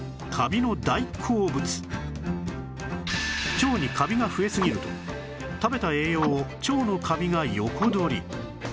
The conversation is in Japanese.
腸にカビが増えすぎると食べた栄養を腸のカビが横取り